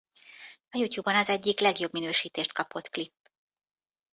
A YouTube-on az egyik legjobb minősítést kapott klip.